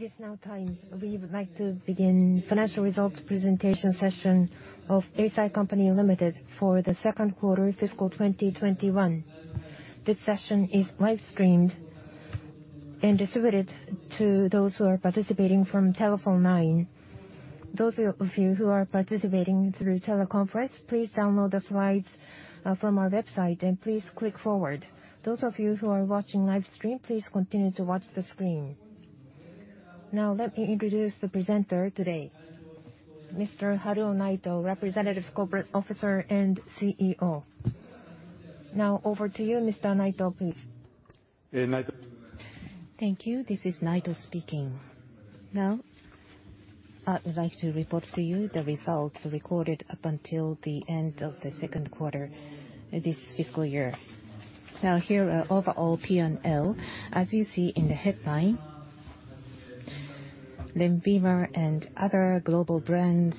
It is now time. We would like to begin the financial results presentation session of Eisai Co., Ltd. for Q2 fiscal 2021. This session is live streamed and distributed to those who are participating from telephone line. Those of you who are participating through teleconference, please download the slides from our website and please click forward. Those of you who are watching live stream, please continue to watch the screen. Now let me introduce the presenter today, Mr. Haruo Naito, Representative Corporate Officer and CEO. Now over to you, Mr. Naito, please. Thank you. This is Naito speaking. Now, I would like to report to you the results recorded up until the end of Q2 this fiscal year. Now, here are overall P&L. As you see in the headline, LENVIMA and other global brands,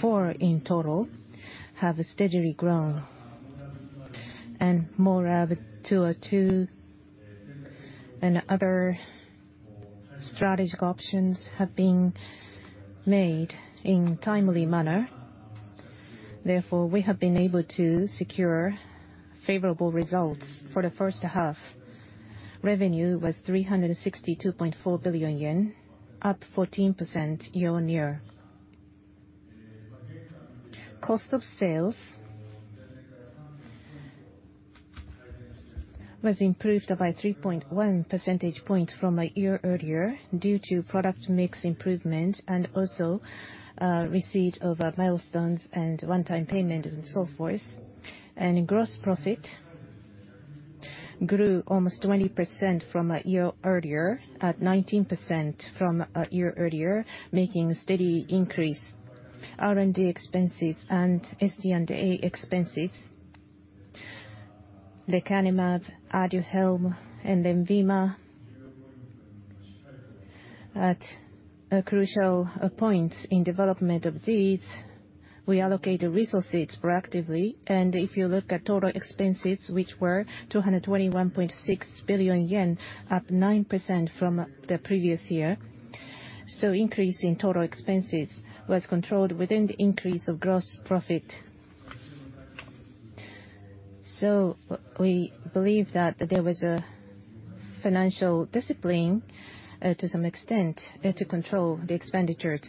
four in total, have steadily grown. Moreover, two of two and other strategic options have been made in timely manner. Therefore, we have been able to secure favorable results. For the first half, revenue was 362.4 billion yen, up 14% year-on-year. Cost of sales was improved by 3.1 percentage points from a year earlier due to product mix improvement and also receipt of milestones and one-time payment and so forth. Gross profit grew almost 20% from a year earlier, at 19% from year earlier, making steady increase. R&D expenses and SG&A expenses, lecanemab and LENVIMA. At crucial points in development of these, we allocated resources proactively. If you look at total expenses, which were 221.6 billion yen, up 9% from the previous year. Increase in total expenses was controlled within the increase of gross profit. We believe that there was a financial discipline, to some extent, to control the expenditures.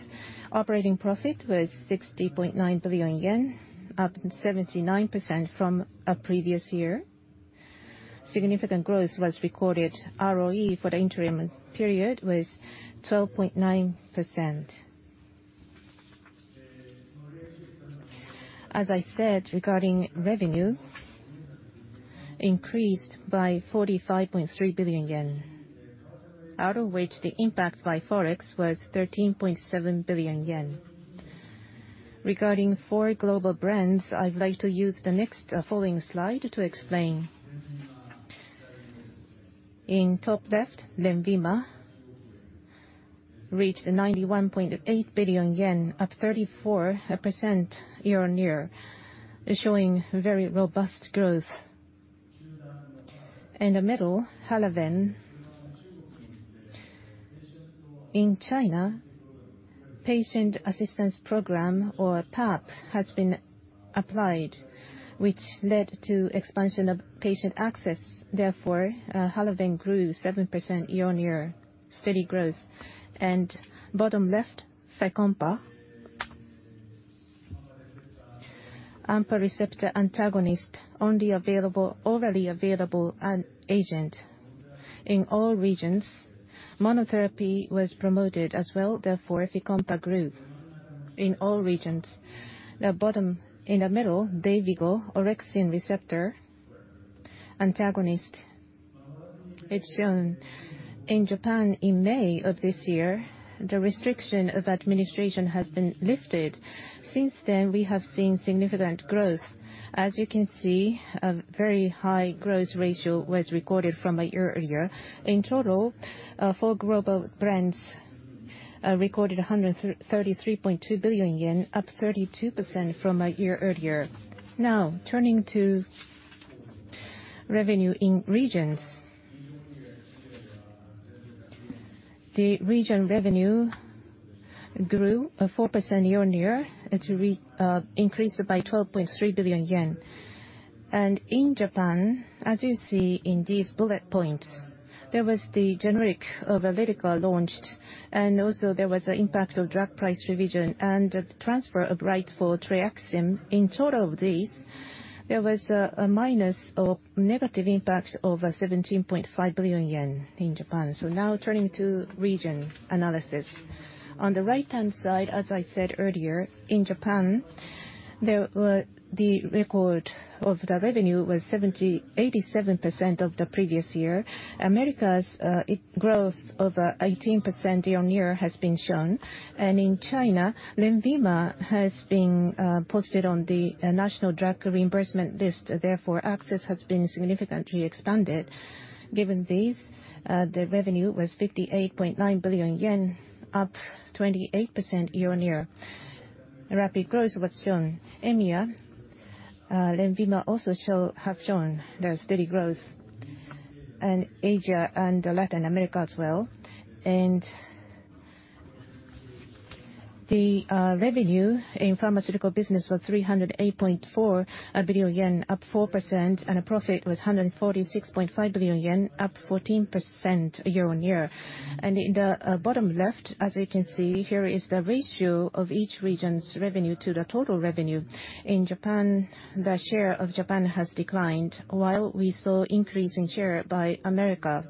Operating profit was 60.9 billion yen, up 79% from previous year. Significant growth was recorded. ROE for the interim period was 12.9%. As I said, regarding revenue, increased by 45.3 billion yen, out of which the impact by Forex was 13.7 billion yen. Regarding four global brands, I would like to use the next, following slide to explain. In top left, LENVIMA reached 91.8 billion yen, up 34% year-on-year, showing very robust growth. In the middle, HALAVEN. In China, Patient Assistance Program, or PAP, has been applied, which led to expansion of patient access. Therefore, HALAVEN grew 7% year-on-year. Steady growth. Bottom left, FYCOMPA, AMPA receptor antagonist only available, already available, agent in all regions. Monotherapy was promoted as well, therefore FYCOMPA grew in all regions. Bottom, in the middle, DAYVIGO, orexin receptor antagonist. It's shown in Japan in May of this year, the restriction of administration has been lifted. Since then, we have seen significant growth. As you can see, a very high growth ratio was recorded from a year earlier. In total, four global brands recorded 133.2 billion yen, up 32% from a year earlier. Now, turning to revenue in regions. The region revenue grew 4% year-on-year to increase it by 12.3 billion yen. In Japan, as you see in these bullet points, there was the generic of Alitica launched, and also there was an impact of drug price revision and the transfer of rights for Treakisym. In total of these, there was a minus or negative impact of 17.5 billion yen in Japan. Now turning to region analysis. On the right-hand side, as I said earlier, in Japan, the revenue was 78.7% of the previous year. Americas, its growth of 18% year-on-year has been shown. In China, LENVIMA has been posted on the National Reimbursement Drug List, therefore access has been significantly expanded. Given these, the revenue was 58.9 billion yen, up 28% year-on-year. Rapid growth was shown. EMEA, LENVIMA also have shown their steady growth in Asia and Latin America as well. The revenue in pharmaceutical business was 308.4 billion yen, up 4%, and a profit was 146.5 billion yen, up 14% year-on-year. In the bottom left, as you can see here, is the ratio of each region's revenue to the total revenue. In Japan, the share of Japan has declined while we saw increase in share by America.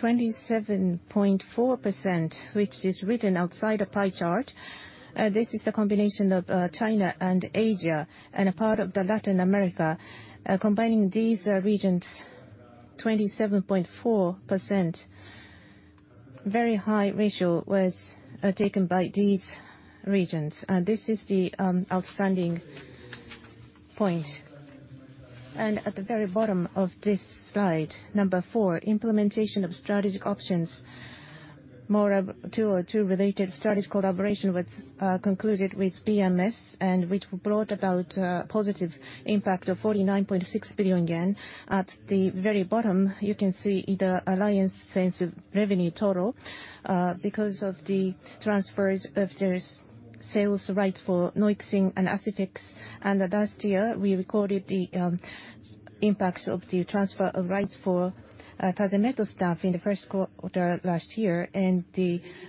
27.4%, which is written outside the pie chart, this is the combination of China and Asia and a part of the Latin America. Combining these regions, 27.4%, very high ratio was taken by these regions. This is the outstanding point. At the very bottom of this slide, number four, implementation of strategic options, MORAb-202 related strategic collaboration concluded with BMS and which brought about a positive impact of 49.6 billion yen. At the very bottom, you can see the alliance sales revenue total because of the transfers of those sales rights for Noixil and Aciphex. Last year, we recorded the impacts of the transfer of rights for tazemetostat in Q1 last year, and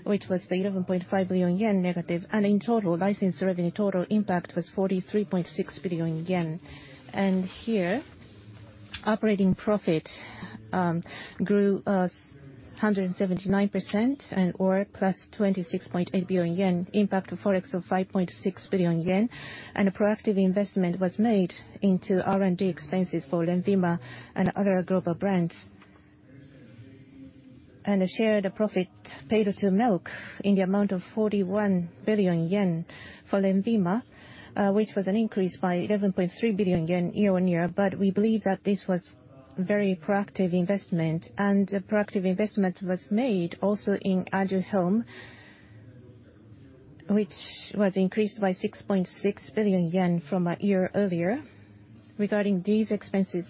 which was the 11.5 billion yen negative. In total, license revenue total impact was 43.6 billion yen. Here, operating profit grew 179% and/or plus 26.8 billion yen, impact of Forex of 5.6 billion yen. A proactive investment was made into R&D expenses for LENVIMA and other global brands. The share, the profit paid to Merck in the amount of 41 billion yen for LENVIMA, which was an increase by 11.3 billion yen year-on-year. But we believe that this was very proactive investment. A proactive investment was made also in Aduhelm, which was increased by 6.6 billion yen from a year earlier. Regarding these expenses,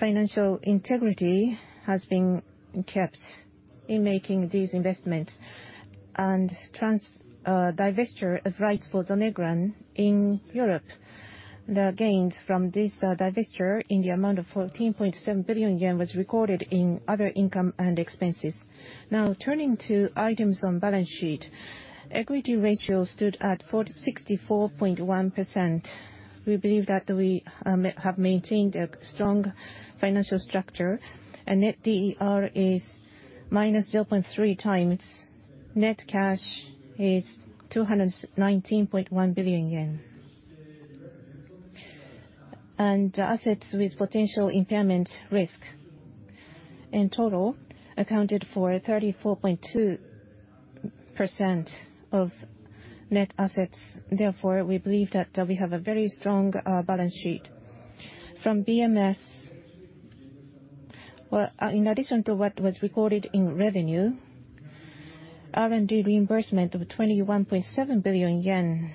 financial integrity has been kept in making these investments. Divestiture of rights for Zonegran in Europe, the gains from this divestiture in the amount of 14.7 billion yen was recorded in other income and expenses. Now, turning to items on balance sheet. Equity ratio stood at 46.41%. We believe that we have maintained a strong financial structure, and net DER is -0.3 times. Net cash is JPY 219.1 billion. Assets with potential impairment risk in total accounted for 34.2% of net assets. Therefore, we believe that we have a very strong balance sheet. From BMS, in addition to what was recorded in revenue, R&D reimbursement of 21.7 billion yen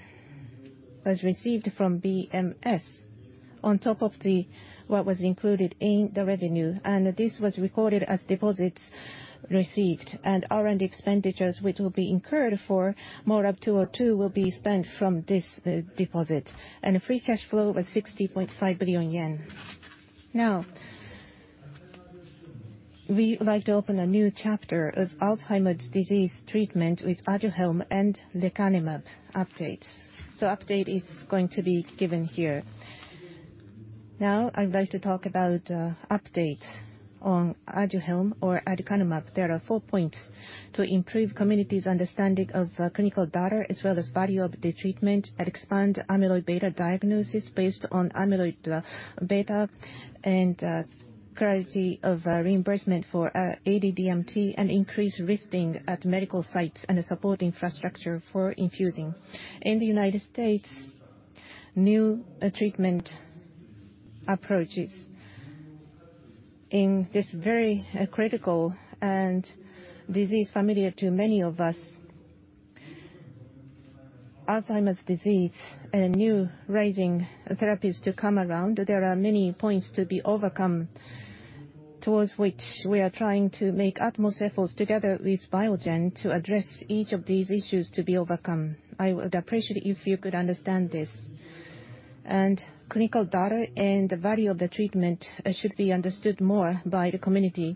was received from BMS on top of what was included in the revenue. This was recorded as deposits received. R&D expenditures, which will be incurred for MORAb-202, will be spent from this deposit. Free cash flow was 60.5 billion yen. Now, we'd like to open a new chapter of Alzheimer's disease treatment with Aduhelm and lecanemab updates. Update is going to be given here. Now, I'd like to talk about updates on Aduhelm or aducanumab. There are four points to improve community's understanding of clinical data as well as value of the treatment and expand amyloid beta diagnosis based on amyloid beta and clarity of reimbursement for AD-DMT and increase visiting at medical sites and the support infrastructure for infusing. In the United States, new treatment approaches in this very critical disease familiar to many of us, Alzheimer's disease, new rising therapies to come around. There are many points to be overcome towards which we are trying to make utmost efforts together with Biogen to address each of these issues to be overcome. I would appreciate if you could understand this. Clinical data and the value of the treatment should be understood more by the community.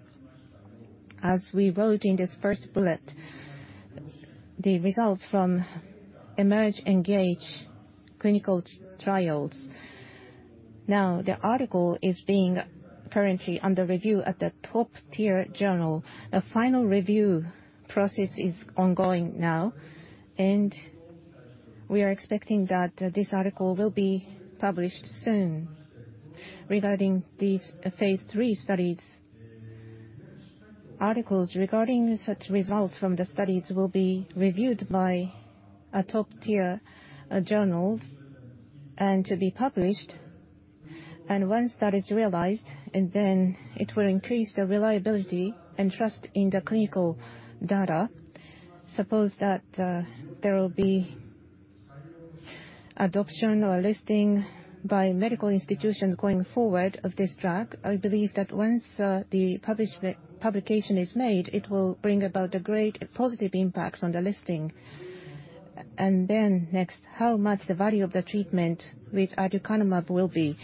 As we wrote in this first bullet, the results from EMERGE, ENGAGE clinical trials. Now, the article is being currently under review at the top-tier journal. A final review process is ongoing now, and we are expecting that this article will be published soon. Regarding these phase III studies, articles regarding such results from the studies will be reviewed by a top-tier journals and to be published. Once that is realized, it will increase the reliability and trust in the clinical data. Suppose that there will be adoption or listing by medical institutions going forward of this drug. I believe that once the publication is made, it will bring about a great positive impact on the listing. Then next, how much the value of the treatment with aducanumab will be,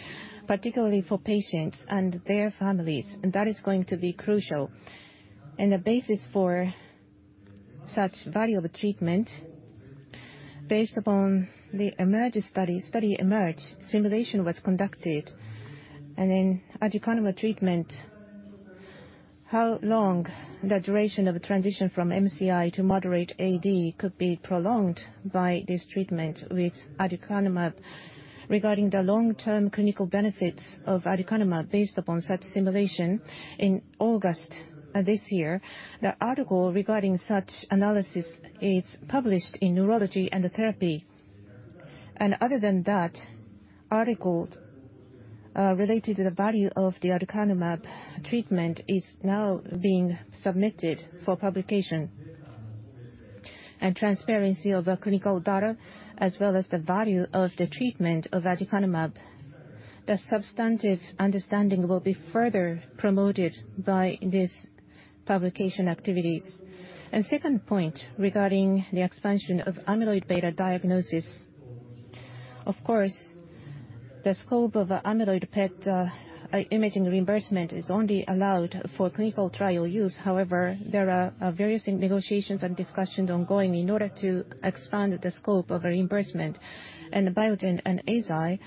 particularly for patients and their families, and that is going to be crucial. The basis for such value of treatment based upon the EMERGE study EMERGE simulation was conducted. In aducanumab treatment, how long the duration of transition from MCI to moderate AD could be prolonged by this treatment with aducanumab. Regarding the long-term clinical benefits of aducanumab based upon such simulation in August this year, the article regarding such analysis is published in Neurology and Therapy. Other than that, articles related to the value of the aducanumab treatment is now being submitted for publication. Transparency of the clinical data as well as the value of the treatment of aducanumab. The substantive understanding will be further promoted by these publication activities. Second point regarding the expansion of amyloid beta diagnosis. Of course, the scope of amyloid PET imaging reimbursement is only allowed for clinical trial use. However, there are various negotiations and discussions ongoing in order to expand the scope of reimbursement. Biogen and Eisai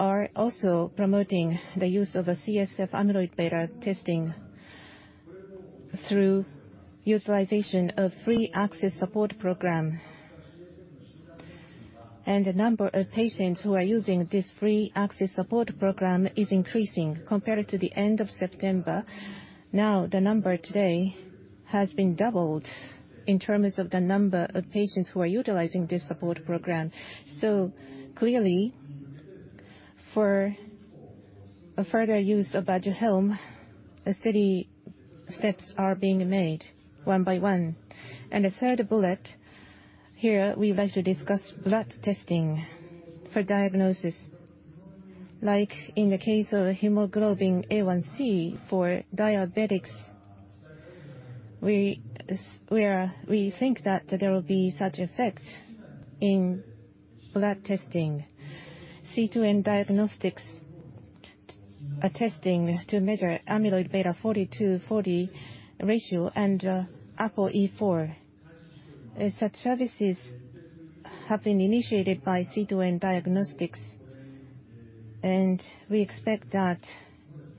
are also promoting the use of a CSF amyloid beta testing through utilization of free access support program. The number of patients who are using this free access support program is increasing compared to the end of September. Now, the number today has been doubled in terms of the number of patients who are utilizing this support program. Clearly, for a further use of Aduhelm, steady steps are being made one by one. The third bullet here, we'd like to discuss blood testing for diagnosis. Like in the case of hemoglobin A1c for diabetics, we think that there will be such effects in blood testing. C2N Diagnostics, a testing to measure amyloid beta 42/40 ratio and APOE4. Such services have been initiated by C2N Diagnostics, and we expect that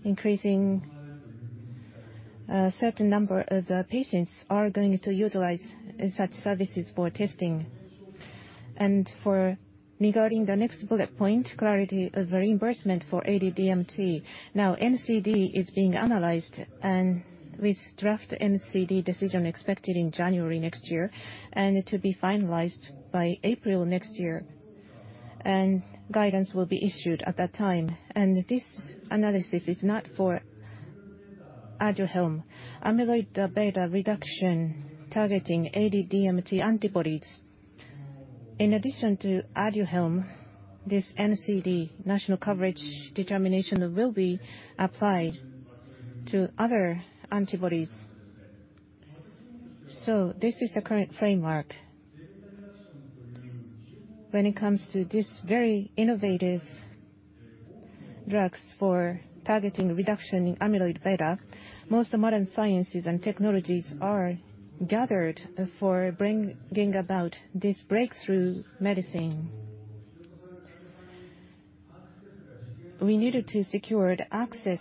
increasing a certain number of patients are going to utilize such services for testing. For regarding the next bullet point, clarity of reimbursement for AD-DMT. Now NCD is being analyzed and with draft NCD decision expected in January next year, and it will be finalized by April next year. Guidance will be issued at that time. This analysis is not for Aduhelm amyloid beta reduction targeting AD-DMT antibodies. In addition to Aduhelm, this NCD, National Coverage Determination, will be applied to other antibodies. This is the current framework. When it comes to these very innovative drugs for targeting reduction in amyloid beta, most modern sciences and technologies are gathered for bringing about this breakthrough medicine. We needed to secure the access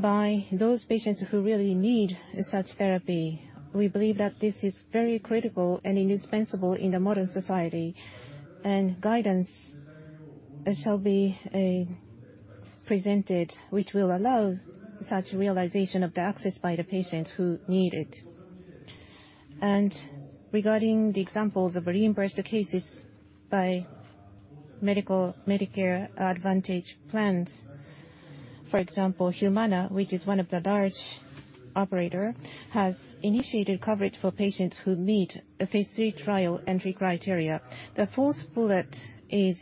by those patients who really need such therapy. We believe that this is very critical and indispensable in the modern society. Guidance shall be presented, which will allow such realization of the access by the patients who need it. Regarding the examples of reimbursed cases by medical Medicare Advantage plans, for example, Humana, which is one of the large operator, has initiated coverage for patients who meet a phase III trial entry criteria. The fourth bullet is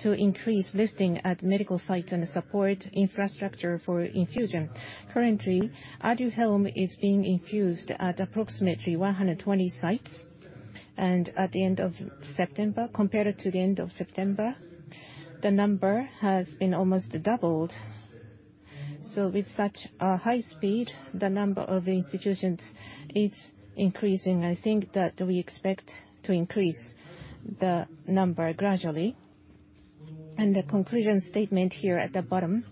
to increase listing at medical sites and support infrastructure for infusion. Currently, Aduhelm is being infused at approximately 120 sites. At the end of September, compared to the end of September, the number has been almost doubled. With such a high speed, the number of institutions is increasing. I think that we expect to increase the number gradually. The conclusion statement here at the bottom.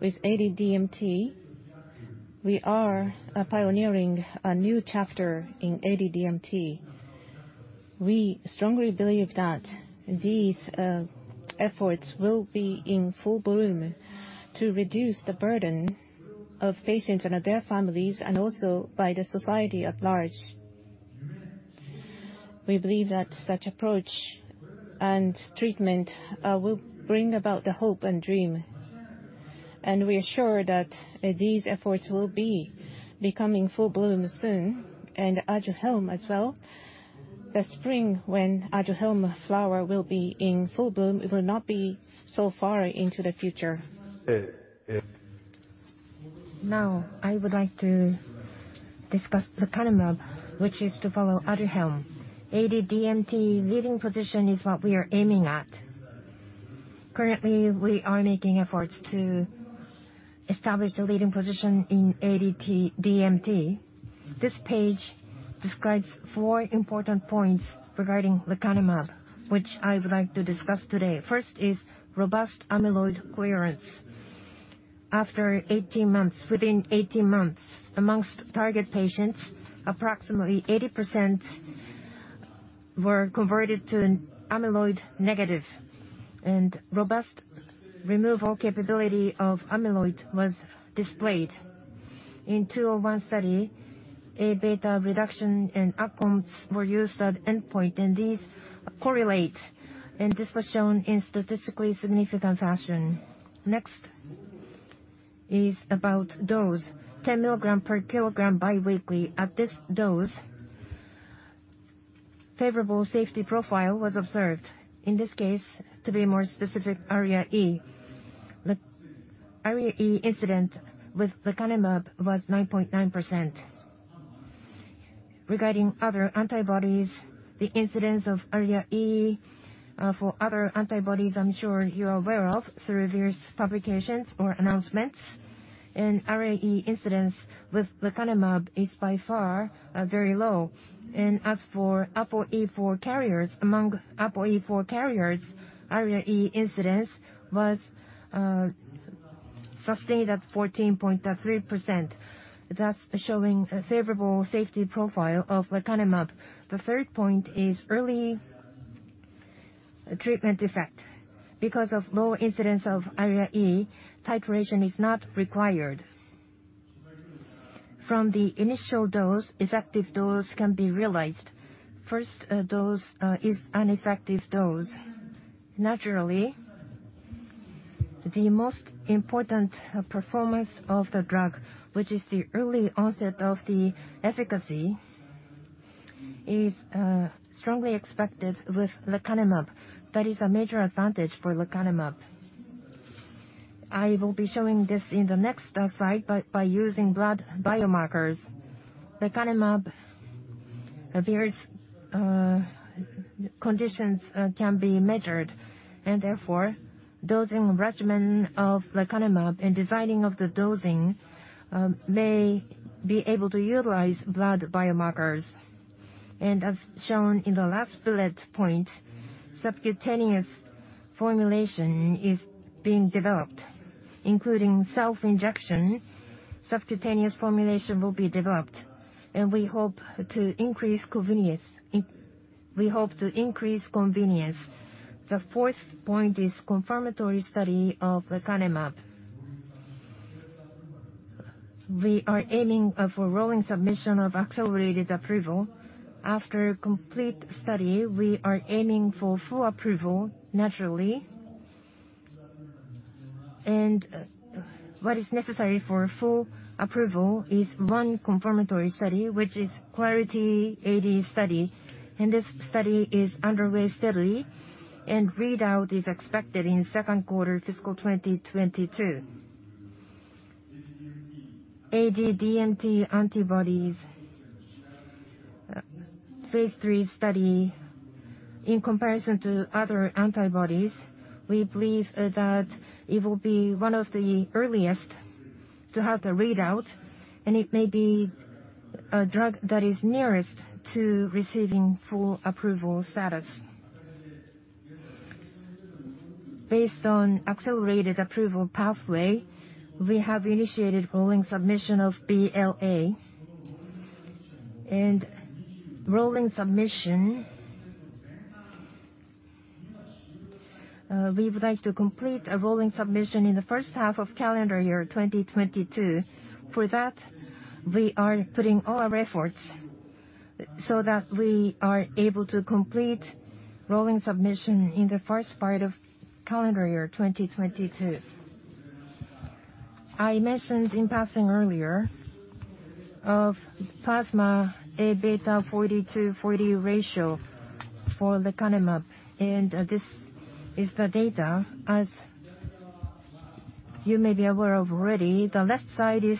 With AD-DMT, we are pioneering a new chapter in AD-DMT. We strongly believe that these efforts will be in full bloom to reduce the burden of patients and their families, and also by the society at large. We believe that such approach and treatment will bring about the hope and dream. We are sure that these efforts will be becoming full bloom soon, and Aduhelm as well. The spring when Aduhelm flower will be in full bloom, it will not be so far into the future. Now, I would like to discuss lecanemab, which is to follow Aduhelm. AD-DMT leading position is what we are aiming at. Currently, we are making efforts to establish a leading position in AD-DMT. This page describes four important points regarding lecanemab, which I would like to discuss today. First is robust amyloid clearance. Within 18 months amongst target patients, approximately 80% were converted to an amyloid negative, and robust removal capability of amyloid was displayed. In Study 201, Abeta reduction and outcomes were used at endpoint, and these correlate. This was shown in statistically significant fashion. Next is about dose. 10 mg/kg biweekly. At this dose, favorable safety profile was observed. In this case, to be more specific, ARIA-E. The ARIA-E incidence with lecanemab was 9.9%. Regarding other antibodies, the incidence of ARIA-E for other antibodies, I'm sure you are aware of through various publications or announcements. ARIA-E incidence with lecanemab is by far very low. As for APOE4 carriers, among APOE4 carriers, ARIA-E incidence was sustained at 14.3%. That's showing a favorable safety profile of lecanemab. The third point is early treatment effect. Because of low incidence of ARIA-E, titration is not required. From the initial dose, effective dose can be realized. First dose is an effective dose. Naturally, the most important performance of the drug, which is the early onset of the efficacy, is strongly expected with lecanemab. That is a major advantage for lecanemab. I will be showing this in the next slide by using blood biomarkers. Lecanemab, various conditions can be measured, and therefore, dosing regimen of lecanemab and designing of the dosing may be able to utilize blood biomarkers. As shown in the last bullet point, subcutaneous formulation is being developed, including self-injection. Subcutaneous formulation will be developed, and we hope to increase convenience. The fourth point is confirmatory study of lecanemab. We are aiming for rolling submission of accelerated approval. After complete study, we are aiming for full approval, naturally. What is necessary for full approval is one confirmatory study, which is Clarity AD study, and this study is underway steadily, and readout is expected in Q2 FY 2022. AD-DMT antibodies, phase III study in comparison to other antibodies, we believe that it will be one of the earliest to have the readout, and it may be a drug that is nearest to receiving full approval status. Based on accelerated approval pathway, we have initiated rolling submission of BLA. Rolling submission, we would like to complete a rolling submission in the first half of calendar year 2022. For that, we are putting all our efforts so that we are able to complete rolling submission in the first part of calendar year 2022. I mentioned in passing earlier of plasma Abeta 42/40 ratio for lecanemab, and this is the data. As you may be aware of already, the left side is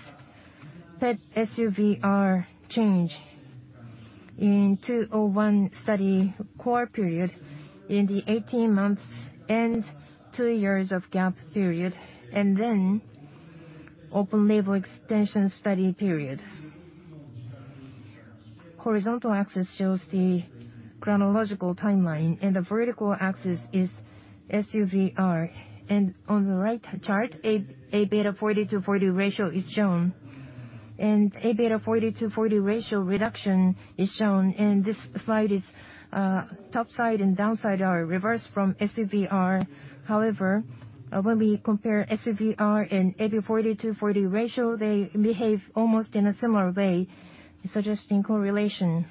PET SUVR change in Study 201 core period in the 18 months and two years of gap period, and then open-label extension study period. Horizontal axis shows the chronological timeline, and the vertical axis is SUVR. On the right chart, Abeta 42/40 ratio is shown. Abeta 42/40 ratio reduction is shown. This slide is, top side and downside are reversed from SUVR. However, when we compare SUVR and Abeta 42/40 ratio, they behave almost in a similar way, suggesting correlation.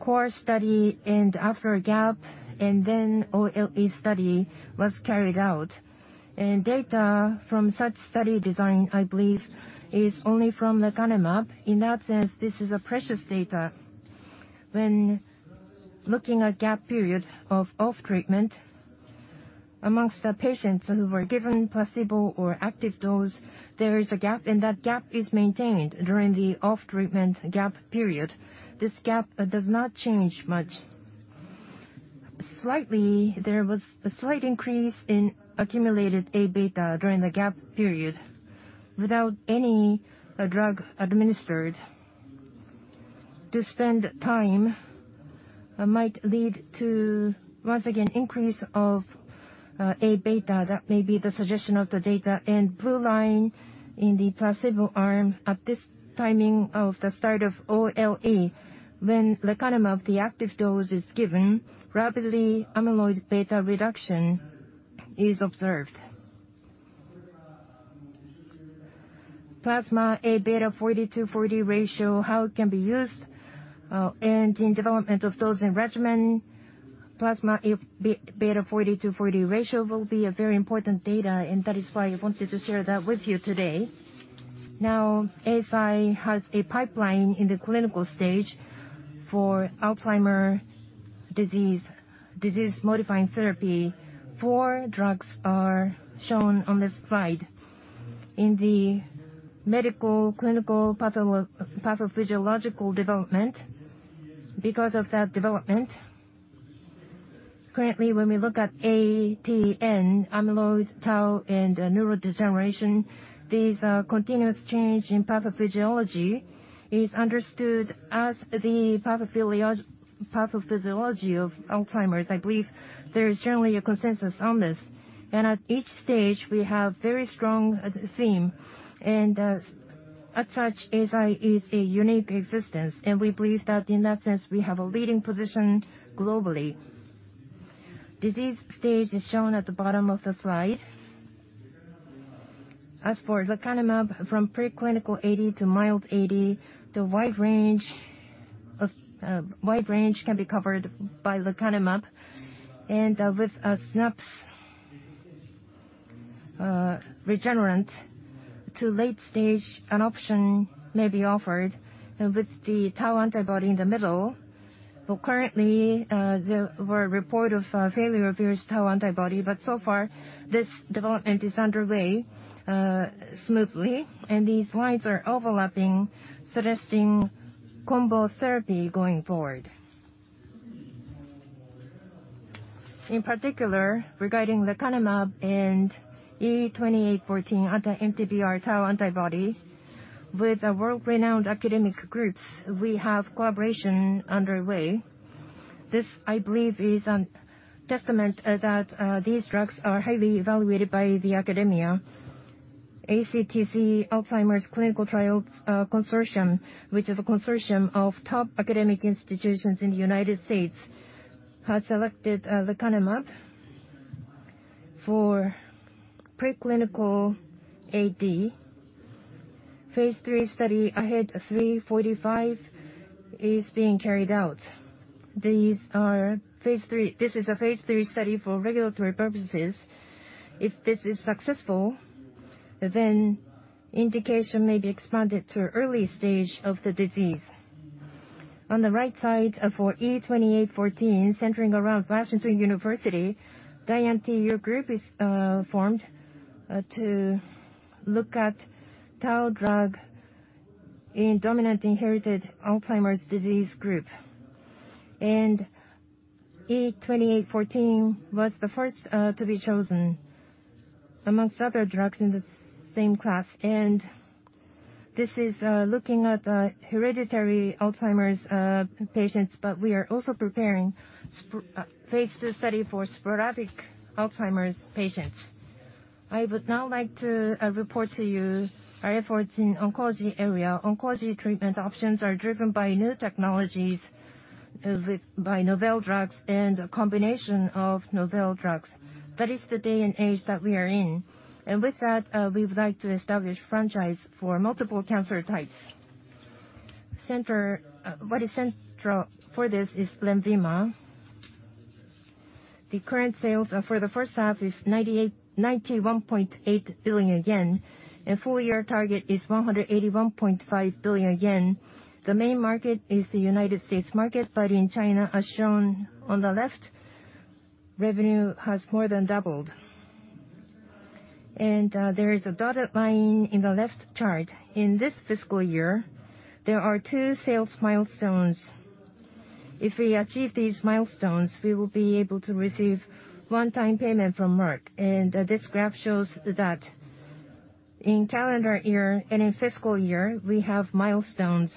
Core study and after a gap, then OLE study was carried out. Data from such study design, I believe, is only from lecanemab. In that sense, this is a precious data. When looking at gap period of off treatment amongst the patients who were given placebo or active dose, there is a gap, and that gap is maintained during the off-treatment gap period. This gap does not change much. Slightly, there was a slight increase in accumulated Abeta during the gap period. Without any drug administered to spend time might lead to, once again, increase of Abeta. That may be the suggestion of the data. Blue line in the placebo arm at this timing of the start of OLE, when lecanemab, the active dose, is given, rapidly amyloid beta reduction is observed. Plasma Abeta 42/40 ratio, how it can be used and in development of dosing regimen. Plasma Abeta 42/40 ratio will be a very important data, and that is why I wanted to share that with you today. Now, Eisai has a pipeline in the clinical stage for Alzheimer's disease-modifying therapy. Four drugs are shown on this slide. In the medical, clinical, pathophysiological development, because of that development, currently, when we look at ATN, amyloid, tau, and neurodegeneration, these are continuous change in pathophysiology, is understood as the pathophysiology of Alzheimer's. I believe there is generally a consensus on this. At each stage, we have very strong theme, and as such, Eisai is a unique existence. We believe that in that sense, we have a leading position globally. Disease stage is shown at the bottom of the slide. As for lecanemab, from pre-clinical AD to mild AD, the wide range can be covered by lecanemab. With SNAPS, Regeneron, to late stage, an option may be offered with the tau antibody in the middle. Well, currently, there were reports of failure of various tau antibodies, but so far, this development is underway smoothly. These lines are overlapping, suggesting combo therapy going forward. In particular, regarding lecanemab and E2814 anti-MTBR tau antibody, with the world-renowned academic groups, we have collaboration underway. This, I believe, is a testament that these drugs are highly evaluated by the academia. ACTC, Alzheimer's Clinical Trials Consortium, which is a consortium of top academic institutions in the United States, has selected lecanemab for preclinical AD. Phase III study AHEAD 3-45 is being carried out. This is a phase III study for regulatory purposes. If this is successful, then indication may be expanded to early stage of the disease. On the right side, for E2814, centering around Washington University, DIAN-TU group is formed to look at tau drug in dominantly inherited Alzheimer's disease group. E2814 was the first to be chosen amongst other drugs in the same class. This is looking at hereditary Alzheimer's patients, but we are also preparing phase II study for sporadic Alzheimer's patients. I would now like to report to you our efforts in oncology area. Oncology treatment options are driven by new technologies with novel drugs and a combination of novel drugs. That is the day and age that we are in. With that, we would like to establish franchise for multiple cancer types. Central, what is central for this is Lenvima. The current sales for the first half is 98.1 billion yen, and full year target is 181.5 billion yen. The main market is the U.S. market, but in China, as shown on the left, revenue has more than doubled. There is a dotted line in the left chart. In this fiscal year, there are two sales milestones. If we achieve these milestones, we will be able to receive one-time payment from Merck. This graph shows that in calendar year and in fiscal year, we have milestones.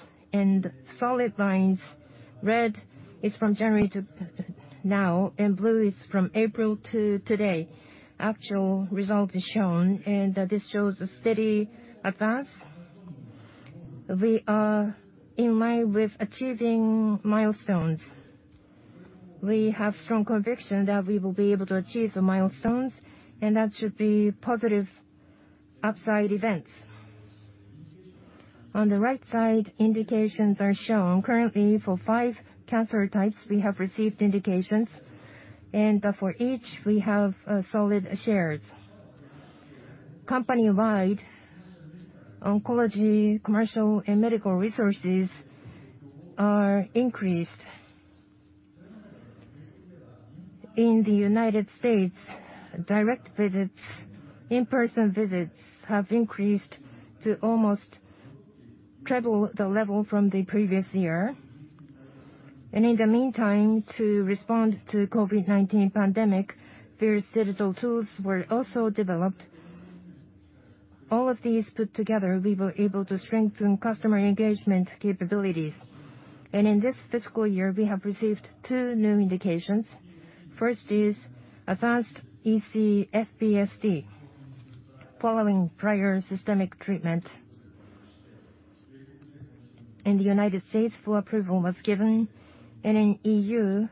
Solid lines, red is from January to now, and blue is from April to today. Actual result is shown, and this shows a steady advance. We are in line with achieving milestones. We have strong conviction that we will be able to achieve the milestones, and that should be positive upside events. On the right side, indications are shown. Currently, for five cancer types, we have received indications. For each, we have solid shares. Company-wide oncology, commercial, and medical resources are increased. In the United States, direct visits, in-person visits have increased to almost triple the level from the previous year. In the meantime, to respond to COVID-19 pandemic, various digital tools were also developed. All of these put together, we were able to strengthen customer engagement capabilities. In this fiscal year, we have received two new indications. First is advanced EC following prior systemic treatment. In the United States, full approval was given. In EU,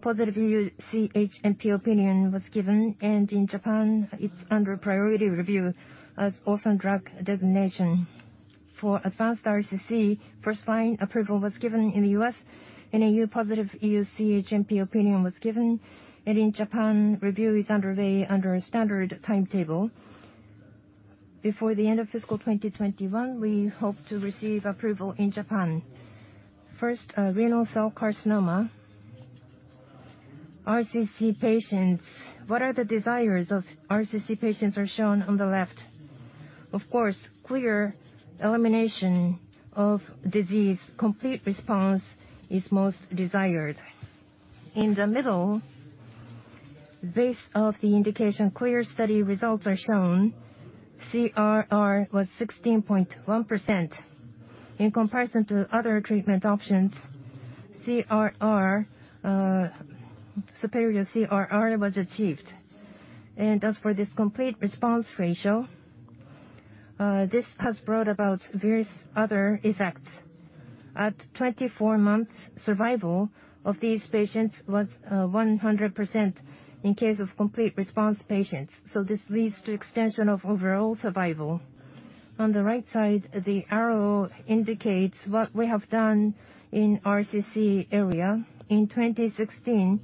positive EU CHMP opinion was given. In Japan, it's under priority review as orphan drug designation. For advanced RCC, first-line approval was given in the U.S. In EU, positive EU CHMP opinion was given. In Japan, review is underway under a standard timetable. Before the end of FY 2021, we hope to receive approval in Japan. First, renal cell carcinoma. RCC patients. What are the desires of RCC patients are shown on the left. Of course, clear elimination of disease, complete response is most desired. In the middle, base of the indication, clear study results are shown. CRR was 16.1%. In comparison to other treatment options, CRR, superior CRR was achieved. As for this complete response ratio, this has brought about various other effects. At 24 months, survival of these patients was 100% in case of complete response patients. This leads to extension of overall survival. On the right side, the arrow indicates what we have done in RCC area. In 2016,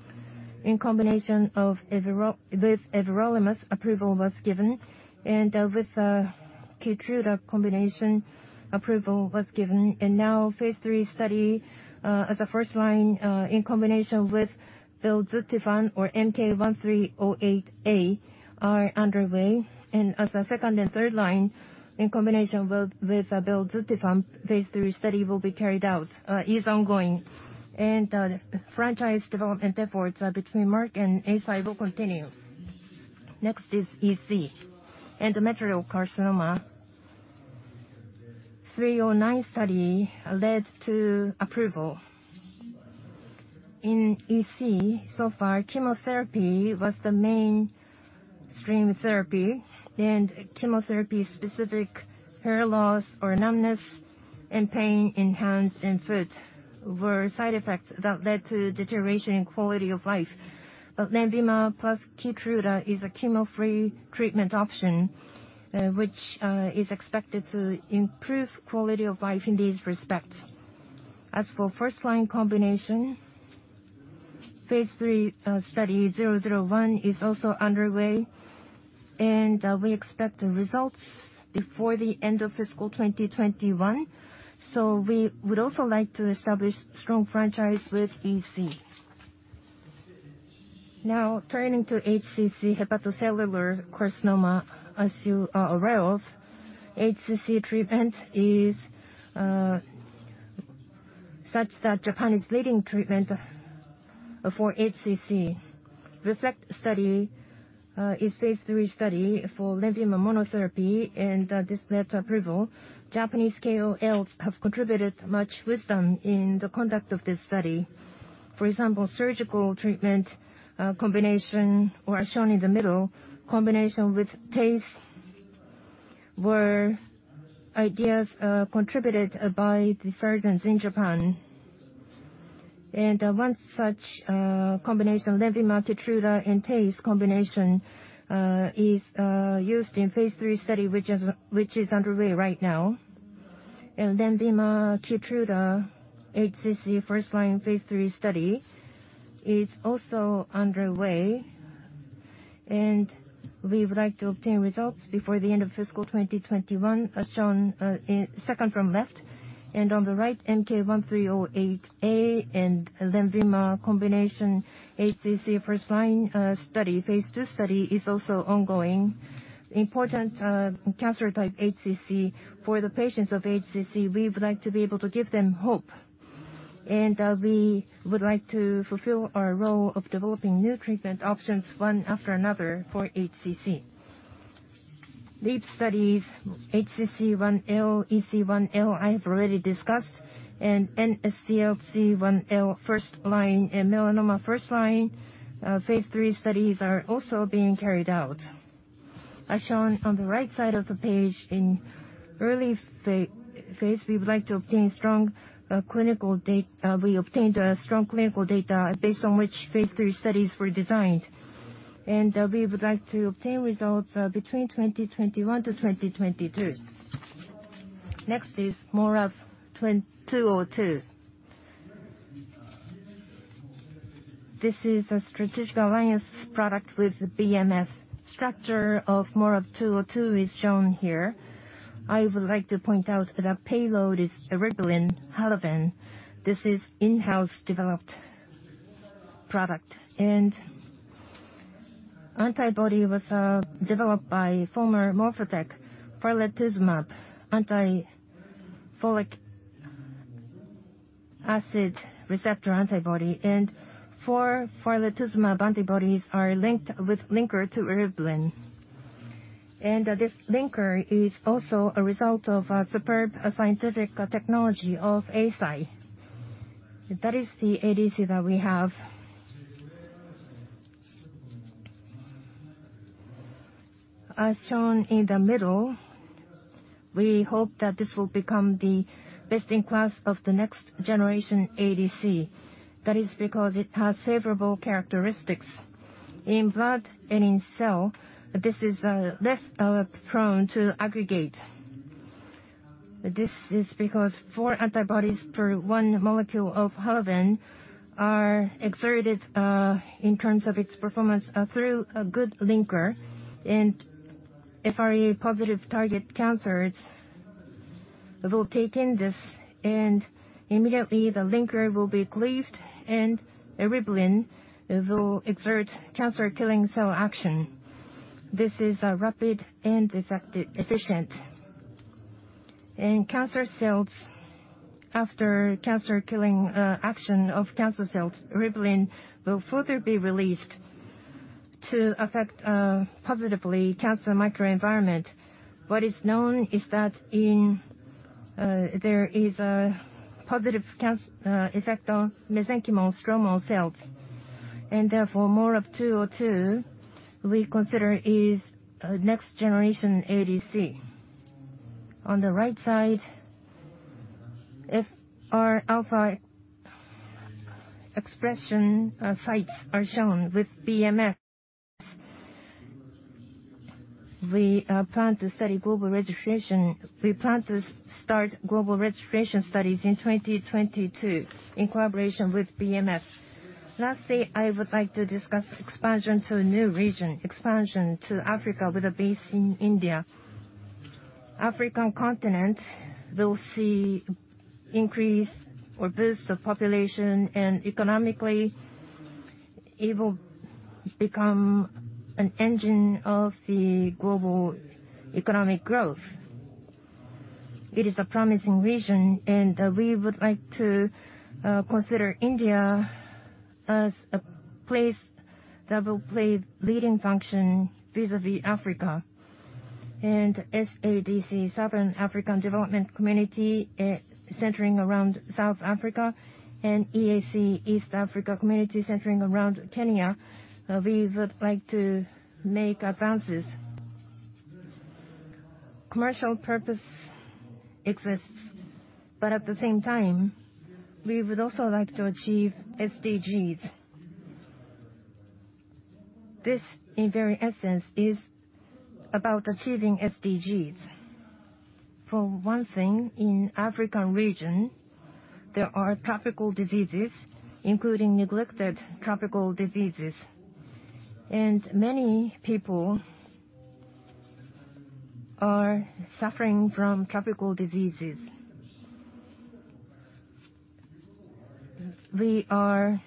in combination with everolimus, approval was given. With KEYTRUDA combination, approval was given. Now, phase III study as a first-line in combination with belzutifan or MK-1308A are underway. As a second and third line, in combination with belzutifan, phase III study will be carried out is ongoing. Franchise development efforts between Merck and Eisai will continue. Next is EC. Endometrial carcinoma. Study 309 led to approval. In EC, so far, chemotherapy was the mainstream therapy. Chemotherapy-specific hair loss or numbness and pain in hands and foot were side effects that led to deterioration in quality of life. LENVIMA plus KEYTRUDA is a chemo-free treatment option, which is expected to improve quality of life in these respects. As for first-line combination, phase III study 001 is also underway. We expect the results before the end of fiscal 2021. We would also like to establish strong franchise with EC. Now, turning to HCC, hepatocellular carcinoma. As you are aware of, HCC treatment is such that Japan is leading treatment for HCC. REFLECT study is phase III study for LENVIMA monotherapy and this led to approval. Japanese KOLs have contributed much wisdom in the conduct of this study. For example, surgical treatment combination or as shown in the middle, combination with TACE were ideas contributed by the surgeons in Japan. One such combination LENVIMA, KEYTRUDA, and TACE combination is used in phase III study, which is underway right now. LENVIMA, KEYTRUDA, HCC first-line phase III study is also underway. We would like to obtain results before the end of fiscal 2021, as shown in second from left. On the right, MK-1308A and LENVIMA combination HCC first-line study, phase II study is also ongoing. Important cancer type HCC. For the patients of HCC, we would like to be able to give them hope. We would like to fulfill our role of developing new treatment options one after another for HCC. LEAP studies HCC1L, EC1L, I have already discussed. NSCLC1L first-line and melanoma first-line phase III studies are also being carried out. As shown on the right side of the page, in early phase, we would like to obtain strong clinical data. We obtained a strong clinical data based on which phase III studies were designed. We would like to obtain results between 2021 to 2022. Next is MORAb-202. This is a strategic alliance product with BMS. Structure of MORAb-202 is shown here. I would like to point out that our payload is eribulin, HALAVEN. This is in-house developed product. Antibody was developed by former MorphoTek, Farletuzumab, anti-folic acid receptor antibody. Four Farletuzumab antibodies are linked with linker to eribulin. This linker is also a result of a superb scientific technology of Eisai. That is the ADC that we have. As shown in the middle, we hope that this will become the best-in-class of the next generation ADC. That is because it has favorable characteristics. In blood and in cell, this is less prone to aggregate. This is because four antibodies per one molecule of HALAVEN are exerted in terms of its performance through a good linker. If our positive target cancers will take in this, and immediately the linker will be cleaved, and eribulin will exert cancer killing cell action. This is rapid and effective, efficient. In cancer cells, after cancer killing action of cancer cells, eribulin will further be released to affect positively cancer microenvironment. What is known is that in there is a positive cancer effect on mesenchymal stromal cells. Therefore, MORAb-202, we consider is a next generation ADC. On the right side, FR-alpha expression sites are shown with BMS. We plan to study global registration. We plan to start global registration studies in 2022 in collaboration with BMS. Lastly, I would like to discuss expansion to a new region, expansion to Africa with a base in India. African continent will see increase or boost of population, and economically it will become an engine of the global economic growth. It is a promising region, and we would like to consider India as a place that will play leading function vis-à-vis Africa. SADC, Southern African Development Community, centering around South Africa, and EAC, East African Community, centering around Kenya, we would like to make advances. Commercial purpose exists, but at the same time, we would also like to achieve SDGs. This, in very essence, is about achieving SDGs. For one thing, in African region, there are tropical diseases, including neglected tropical diseases, and many people are suffering from tropical diseases. We are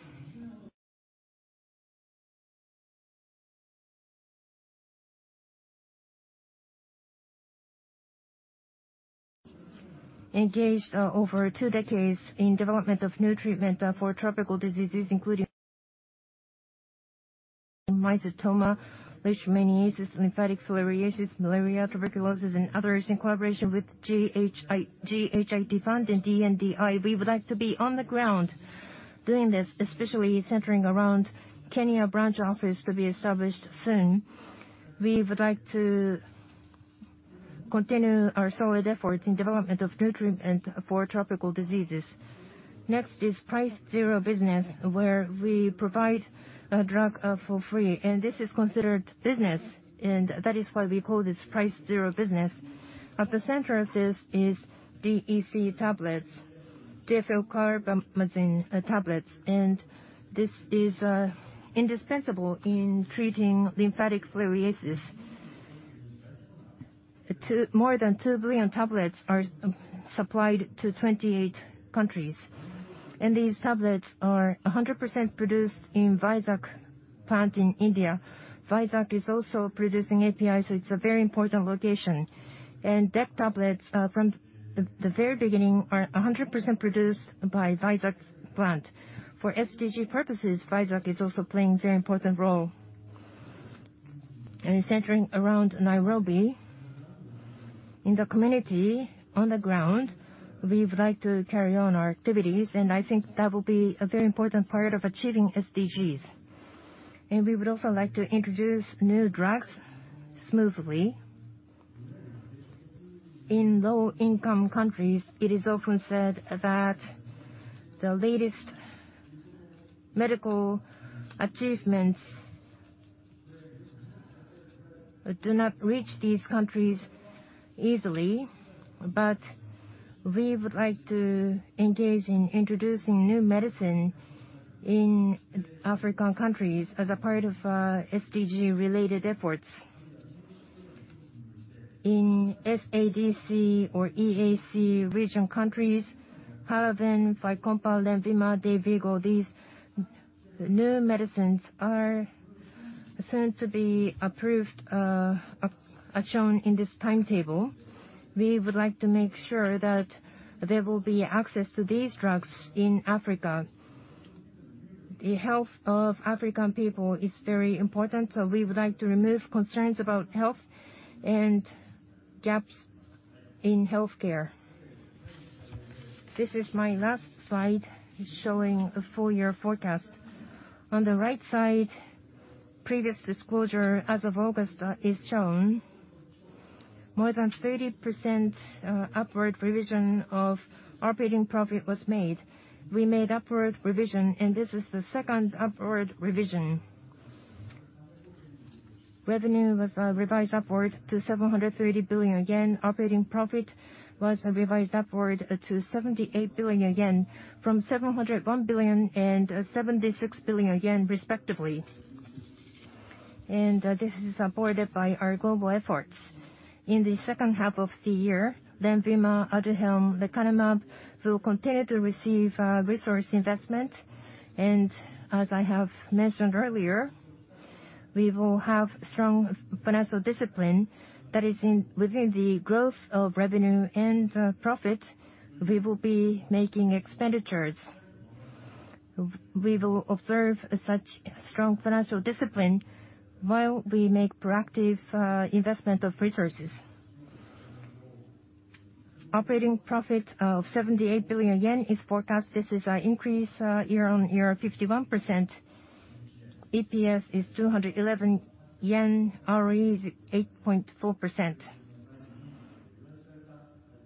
engaged over two decades in development of new treatment for tropical diseases, including mycetoma, leishmaniasis, lymphatic filariasis, malaria, tuberculosis, and others, in collaboration with GHIT Fund and DNDi. We would like to be on the ground doing this, especially centering around Kenya branch office to be established soon. We would like to continue our solid effort in development of new treatment for tropical diseases. Next is Price Zero business, where we provide a drug for free. This is considered business, and that is why we call this Price Zero business. At the center of this is DEC tablets, diethylcarbamazine tablets. This is indispensable in treating lymphatic filariasis. More than 2 billion tablets are supplied to 28 countries. These tablets are 100% produced in Vizag plant in India. Vizag is also producing APIs, so it's a very important location. DEC tablets from the very beginning are 100% produced by Vizag plant. For SDG purposes, Vizag is also playing very important role. Centering around Nairobi in the community, on the ground, we would like to carry on our activities, and I think that will be a very important part of achieving SDGs. We would also like to introduce new drugs smoothly. In low-income countries, it is often said that the latest medical achievements do not reach these countries easily. We would like to engage in introducing new medicine in African countries as a part of SDG-related efforts. In SADC or EAC region countries, HALAVEN, FYCOMPA, LENVIMA, DAYVIGO, these new medicines are soon to be approved, as shown in this timetable. We would like to make sure that there will be access to these drugs in Africa. The health of African people is very important, so we would like to remove concerns about health and gaps in healthcare. This is my last slide showing the full year forecast. On the right side, previous disclosure as of August is shown. More than 30% upward revision of operating profit was made. We made upward revision, and this is the second upward revision. Revenue was revised upward to 730 billion yen. Operating profit was revised upward to 78 billion yen from 701 billion and 76 billion yen respectively. This is supported by our global efforts. In the second half of the year, LENVIMA, Aduhelm, lecanemab will continue to receive resource investment. As I have mentioned earlier, we will have strong financial discipline that is within the growth of revenue and profit we will be making expenditures. We will observe such strong financial discipline while we make proactive investment of resources. Operating profit of 78 billion yen is forecast. This is an increase year-on-year of 51%. EPS is 211 yen. ROE is 8.4%.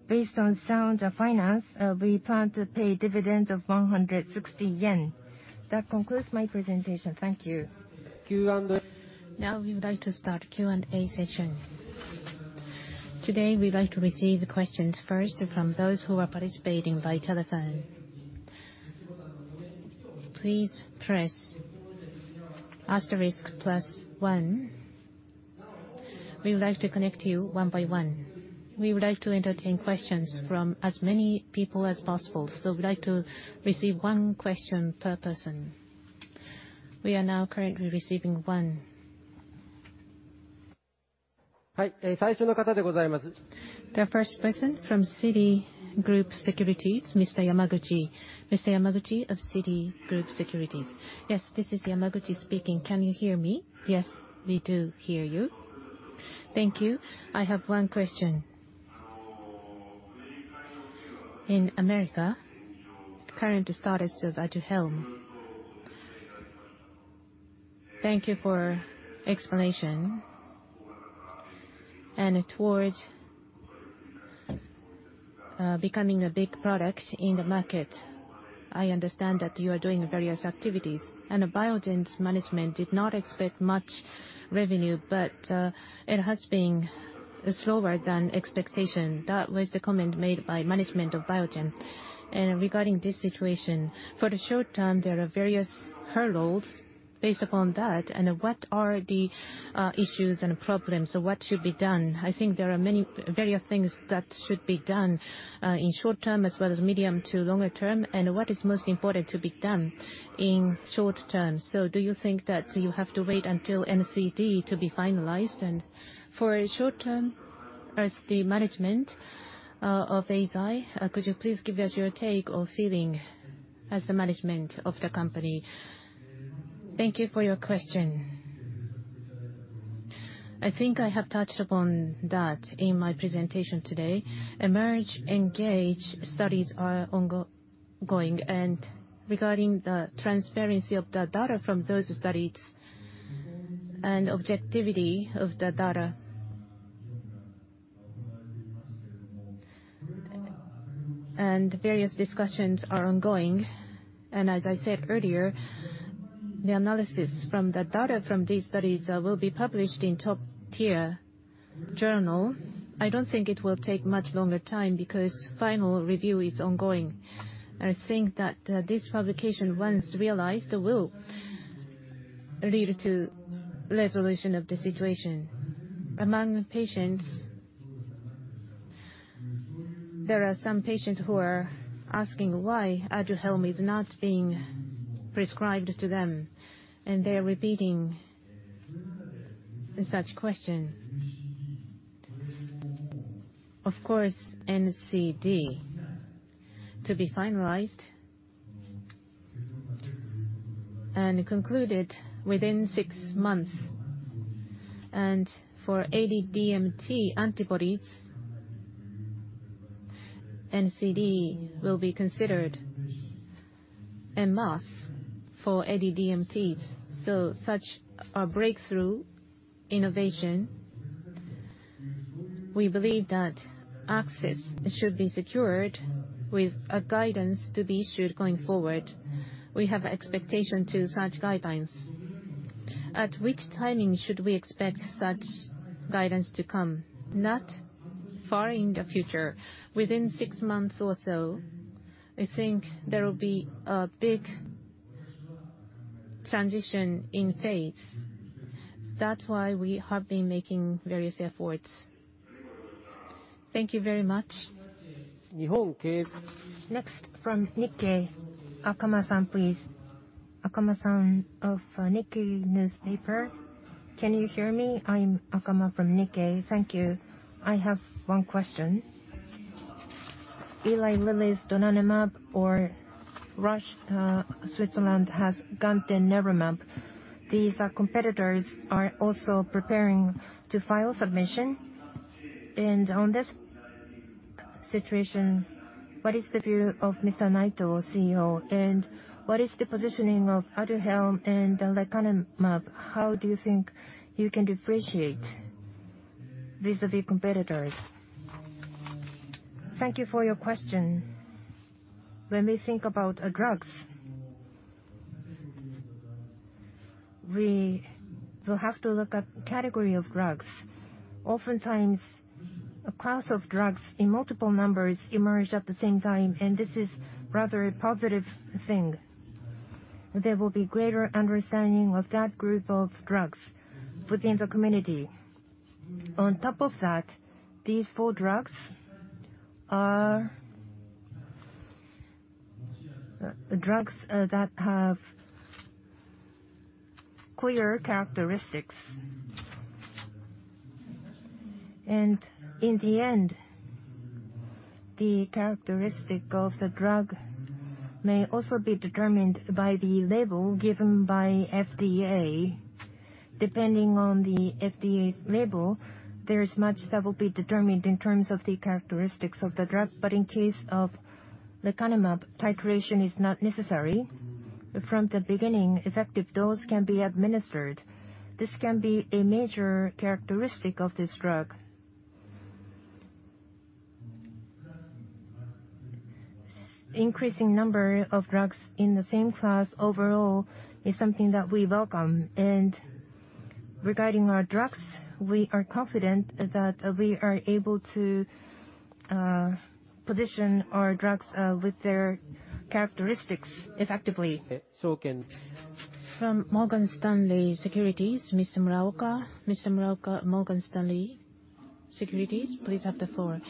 Based on sound finance, we plan to pay dividends of 160 yen. That concludes my presentation. Thank you. Now we would like to start Q&A session. Today, we'd like to receive questions first from those who are participating by telephone. Please press asterisk plus one. We would like to connect you one by one. We would like to entertain questions from as many people as possible, so we'd like to receive one question per person. We are now currently receiving one. The first person from Citigroup Securities, Mr. Hidemaru Yamaguchi. Mr. Hidemaru Yamaguchi of Citigroup Securities. Yes, this is Hidemaru Yamaguchi speaking. Can you hear me? Yes, we do hear you. Thank you. I have one question. In America, current status of Aduhelm? Thank you for the explanation. Towards becoming a big product in the emerging market, I understand that you are doing various activities. Biogen's management did not expect much revenue, but it has been slower than expected. That was the comment made by management of Biogen. Regarding this situation, for the short term, there are various hurdles based upon that. What are the issues and problems? What should be done? I think there are various things that should be done in short term as well as medium to longer term. What is most important to be done in short term? Do you think that you have to wait until NCD to be finalized? For short term, as the management of Eisai, could you please give us your take or feeling as the management of the company? Thank you for your question. I think I have touched upon that in my presentation today. EMERGE, ENGAGE studies are ongoing, and regarding the transparency of the data from those studies and objectivity of the data. Various discussions are ongoing. As I said earlier, the analysis from the data from these studies will be published in top-tier journal. I don't think it will take much longer time because final review is ongoing. I think that this publication, once realized, will lead to resolution of the situation. Among patients, there are some patients who are asking why Aduhelm is not being prescribed to them, and they are repeating such question. Of course, NCD to be finalized and concluded within six months. For AD-DMT antibodies, NCD will be considered a must for AD-DMTs. Such a breakthrough innovation, we believe that access should be secured with a guidance to be issued going forward. We have expectation to such guidelines. At which timing should we expect such guidance to come? Not far in the future. Within six months or so, I think there will be a big transition in phase. That's why we have been making various efforts. Thank you very much. Next from Nikkei, Akama-san, please. Akama-san of Nikkei newspaper. Can you hear me? I'm Akama from Nikkei. Thank you. I have one question. Eli Lilly's donanemab or Roche, Switzerland has gantenerumab. These competitors are also preparing to file submission. On this situation, what is the view of Mr. Naito, CEO, and what is the positioning of Aduhelm and lecanemab? How do you think you can differentiate vis-à-vis competitors? Thank you for your question. When we think about drugs, we will have to look at category of drugs. Oftentimes, a class of drugs in multiple numbers emerge at the same time, and this is rather a positive thing. There will be greater understanding of that group of drugs within the community. On top of that, these four drugs are drugs that have clear characteristics. In the end, the characteristic of the drug may also be determined by the label given by FDA. Depending on the FDA label, there is much that will be determined in terms of the characteristics of the drug. In case of lecanemab, titration is not necessary. From the beginning, effective dose can be administered. This can be a major characteristic of this drug. Increasing number of drugs in the same class overall is something that we welcome. Regarding our drugs, we are confident that we are able to position our drugs with their characteristics effectively. From Morgan Stanley Securities, Mr. Muraoka. Mr. Muraoka, Morgan Stanley, please have the floor.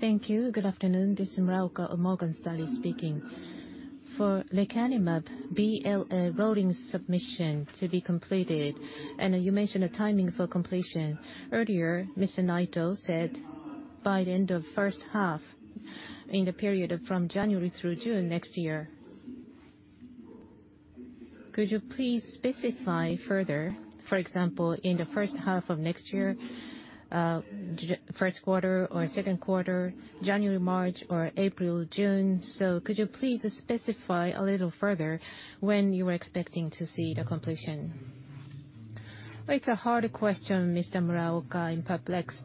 Thank you. Good afternoon. This is Muraoka of Morgan Stanley speaking. For lecanemab BLA rolling submission to be completed, and you mentioned the timing for completion. Earlier, Mr. Naito said by the end of first half in the period from January through June next year. Could you please specify further, for example, in the first half of next year, Q1 or Q2, January-March or April-June? So could you please specify a little further when you are expecting to see the completion? It's a hard question, Mr. Muraoka. I'm perplexed.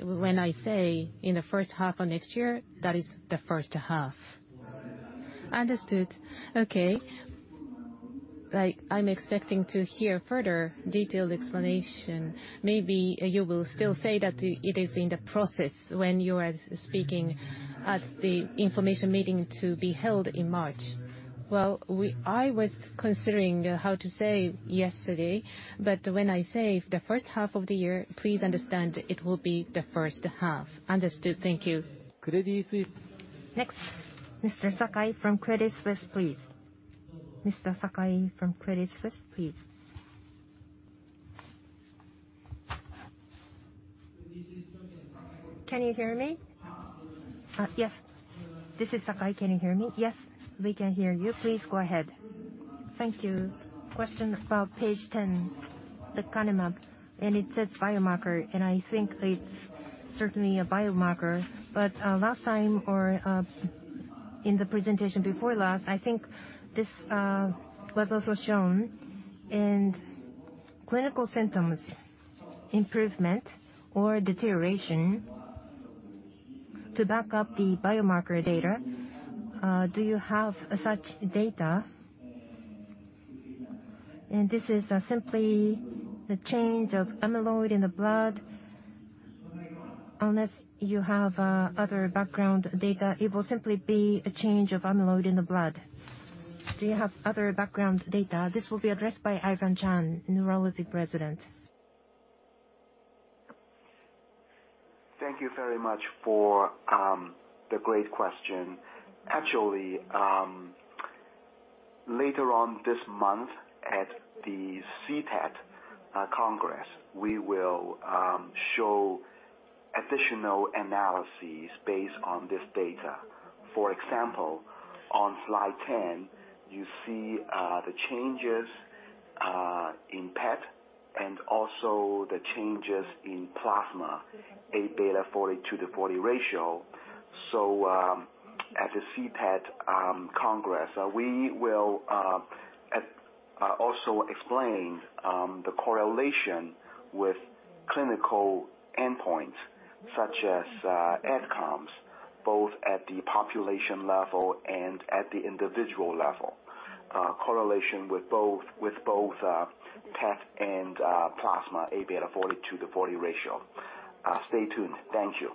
When I say in the first half of next year, that is the first half. Understood. Okay. I'm expecting to hear further detailed explanation. Maybe you will still say that it is in the process when you are speaking at the information meeting to be held in March. Well, I was considering how to say yesterday, but when I say the first half of the year, please understand it will be the first half. Understood. Thank you. Next, Mr. Sakai from Credit Suisse, please. Can you hear me? Yes. This is Sakai. Can you hear me? Yes, we can hear you. Please go ahead. Thank you. Question about page 10, lecanemab, and it says biomarker, and I think it's certainly a biomarker. Last time or in the presentation before last, I think this was also shown in clinical symptoms improvement or deterioration to back up the biomarker data. Do you have such data? This is simply the change of amyloid in the blood. Unless you have other background data, it will simply be a change of amyloid in the blood. Do you have other background data? This will be addressed by Ivan Cheung, Neurology President. Thank you very much for the great question. Actually, later on this month at the CTAD Congress, we will show additional analyses based on this data. For example, on slide 10, you see the changes in PET and also the changes in plasma Aβ 42/40 ratio. At the CTAD Congress, we will also explain the correlation with clinical endpoints such as ADCOMS, both at the population level and at the individual level, correlation with both PET and plasma Aβ 42/40 ratio. Stay tuned. Thank you.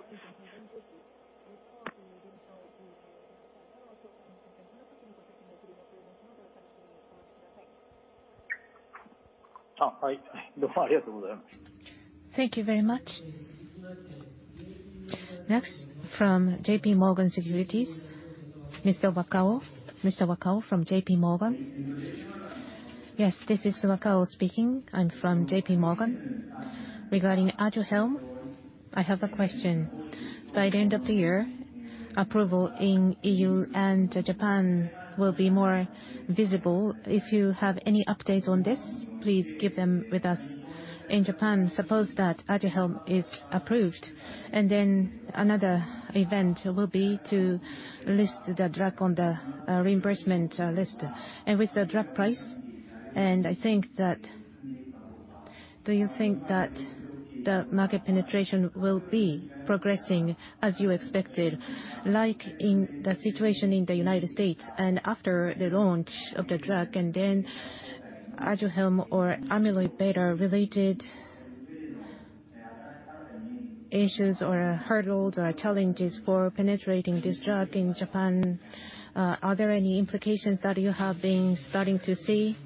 Thank you very much. Next from JPMorgan Securities, Mr. Wakao. Mr. Wakao from JPMorgan. Yes, this is Wakao speaking. I'm from JPMorgan. Regarding Aduhelm, I have a question. By the end of the year, approval in EU and Japan will be more visible. If you have any updates on this, please give them to us. In Japan, suppose that Aduhelm is approved, and then another event will be to list the drug on the reimbursement list. With the drug price, I think that. Do you think that the market penetration will be progressing as you expected, like in the situation in the United States and after the launch of the drug, and then Aduhelm or amyloid beta-related issues or hurdles or challenges for penetrating this drug in Japan. Are there any implications that you have been starting to see?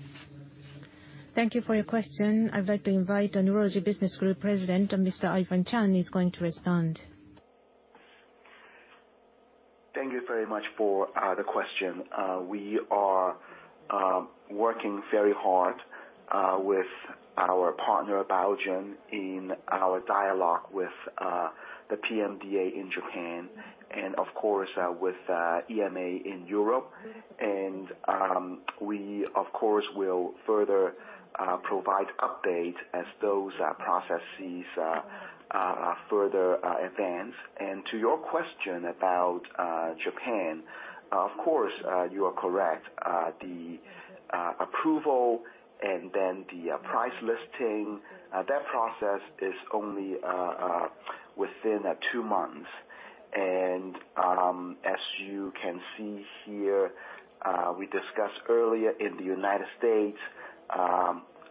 Thank you for your question. I'd like to invite our Neurology President, Mr. Ivan Cheung, is going to respond. Thank you very much for the question. We are working very hard with our partner Biogen in our dialogue with the PMDA in Japan and of course with EMA in Europe. We of course will further provide updates as those processes are further advanced. To your question about Japan, of course you are correct. The approval and then the price listing, that process is only within two months. As you can see here, we discussed earlier in the United States,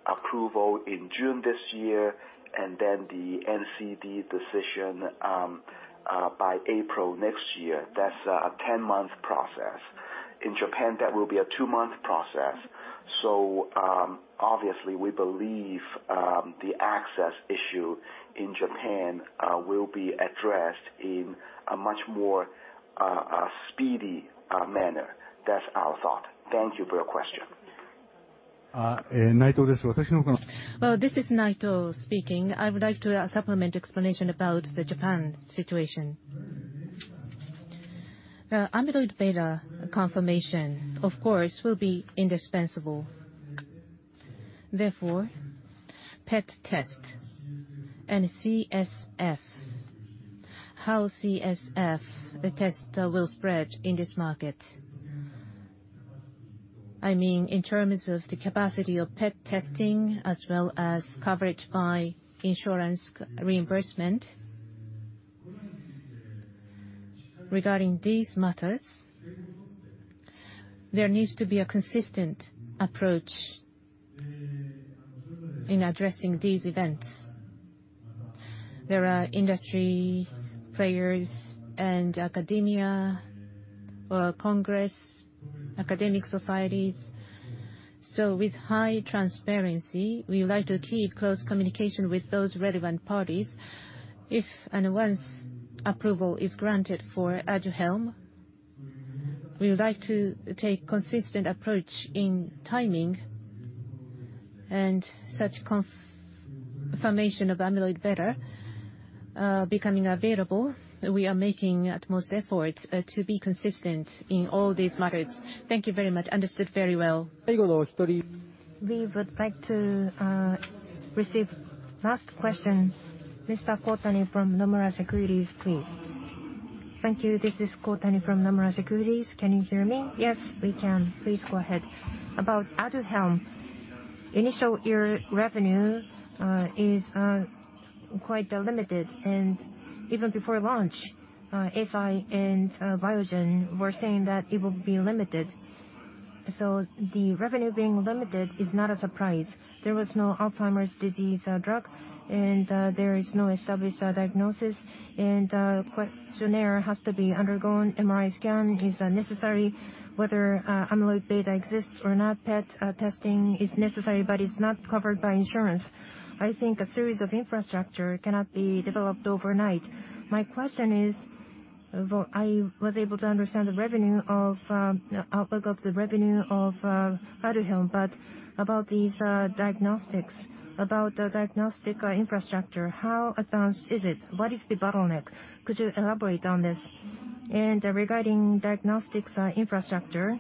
approval in June this year and then the NCD decision by April next year. That's a 10-month process. In Japan, that will be a two-month process. Obviously, we believe the access issue in Japan will be addressed in a much more speedy manner. That's our thought. Thank you for your question. Well, this is Naito speaking. I would like to supplement explanation about the Japan situation. Amyloid beta confirmation, of course, will be indispensable. Therefore, PET test and CSF test will spread in this market. I mean, in terms of the capacity of PET testing as well as coverage by insurance reimbursement. Regarding these matters, there needs to be a consistent approach in addressing these events. There are industry players and academia or congress, academic societies. With high transparency, we would like to keep close communication with those relevant parties. If and when approval is granted for Aduhelm, we would like to take consistent approach in timing and such confirmation of amyloid beta becoming available. We are making utmost efforts to be consistent in all these matters. Thank you very much. Understood very well. We would like to receive last question. Mr. Kotani from Nomura Securities, please. Thank you. This is Kotani from Nomura Securities. Can you hear me? Yes, we can. Please go ahead. About Aduhelm, initial year revenue is quite limited. Even before launch, Eisai and Biogen were saying that it would be limited. The revenue being limited is not a surprise. There was no Alzheimer's disease drug and there is no established diagnosis and a questionnaire has to be undergone. MRI scan is necessary. Whether amyloid beta exists or not, PET testing is necessary, but it's not covered by insurance. I think a series of infrastructure cannot be developed overnight. My question is, well, I was able to understand the outlook for the revenue of Aduhelm. But about these diagnostics, about the diagnostic infrastructure, how advanced is it? What is the bottleneck? Could you elaborate on this? Regarding diagnostics infrastructure,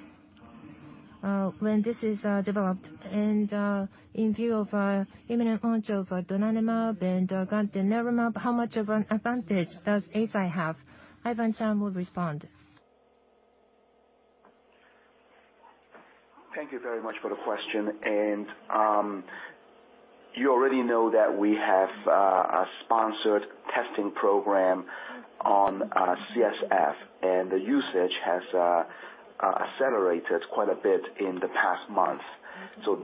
when this is developed and in view of imminent launch of donanemab and lecanemab, how much of an advantage does Eisai have? Ivan Cheung will respond. Thank you very much for the question. You already know that we have a sponsored testing program on CSF, and the usage has accelerated quite a bit in the past month.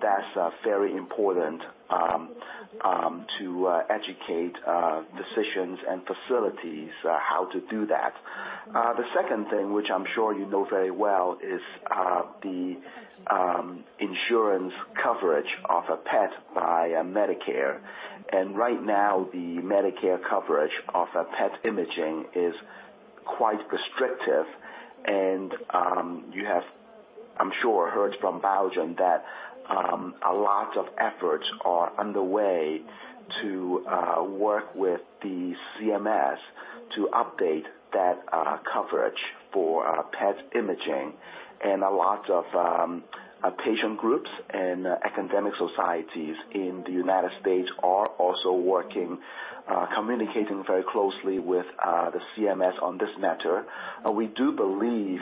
That's very important to educate physicians and facilities how to do that. The second thing, which I'm sure you know very well, is the insurance coverage of a PET by Medicare. Right now, the Medicare coverage of a PET imaging is quite restrictive. You have, I'm sure, heard from Biogen that a lot of efforts are underway to work with the CMS to update that coverage for PET imaging. A lot of patient groups and academic societies in the United States are also working, communicating very closely with the CMS on this matter. We do believe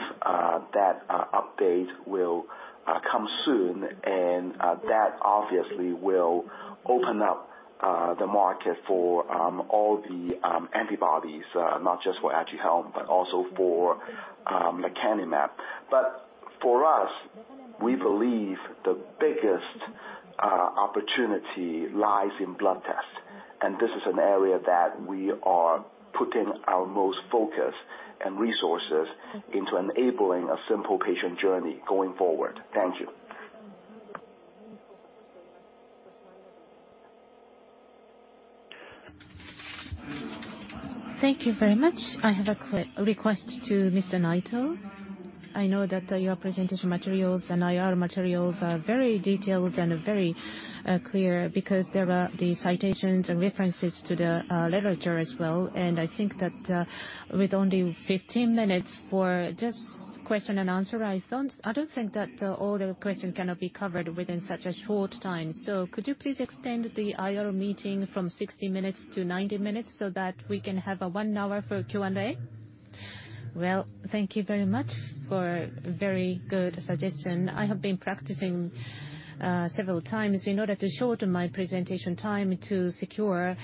that update will come soon and that obviously will open up the market for all the antibodies, not just for Aduhelm, but also for lecanemab. For us, we believe the biggest opportunity lies in blood tests. This is an area that we are putting our most focus and resources into enabling a simple patient journey going forward. Thank you. Thank you very much. I have a request to Mr. Naito. I know that your presentation materials and IR materials are very detailed and very clear because there are the citations and references to the literature as well. I think that with only 15 minutes for just question and answer, I don't think that all the question can be covered within such a short time. Could you please extend the IR meeting from 60 minutes to 90 minutes so that we can have 1 hour for Q&A? Well, thank you very much for very good suggestion. I have been practicing several times in order to shorten my presentation time to secure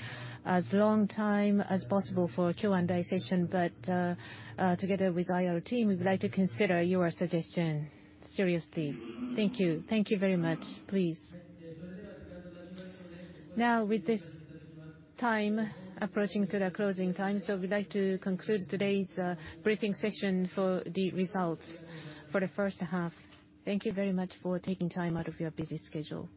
as long time as possible for Q&A session. Together with IR team, we would like to consider your suggestion seriously. Thank you. Thank you very much. Please. Now with this time approaching to the closing time, we'd like to conclude today's briefing session for the results for the first half. Thank you very much for taking time out of your busy schedule.